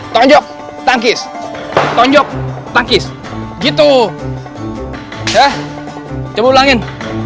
tonjok tangkis tonjok tangkis gitu eh coba ulangin